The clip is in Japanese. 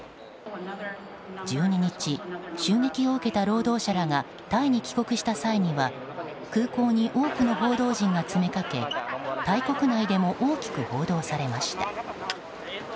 １２日襲撃を受けた労働者らがタイに帰国した際には空港に多くの報道陣が詰めかけタイ国内でも大きく報道されました。